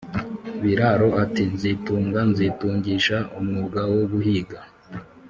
Biraro ati: "Nzitunga, nzitungisha umwuga wo guhiga